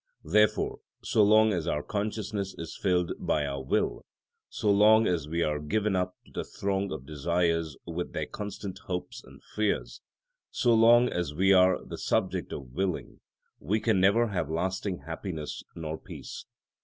Therefore, so long as our consciousness is filled by our will, so long as we are given up to the throng of desires with their constant hopes and fears, so long as we are the subject of willing, we can never have lasting happiness nor peace.